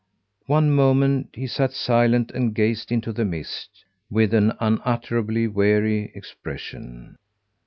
One moment he sat silent and gazed into the mist, with an unutterably weary expression.